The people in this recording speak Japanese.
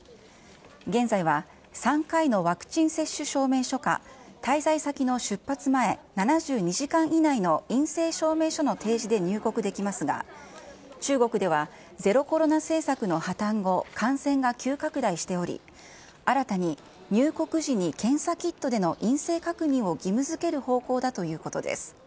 現在は、３回のワクチン接種証明書か、滞在先の出発前７２時間以内の陰性証明書の提示で入国できますが、中国では、ゼロコロナ政策の破綻後、感染が急拡大しており、新たに入国時に検査キットでの陰性確認を義務づける方向だということです。